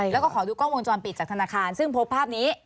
แล้วก็ขอดูกล้องวงจรปิดจากธนาคารซึ่งพบภาพนี้